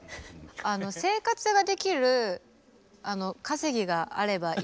「生活ができる稼ぎがあればいい」と。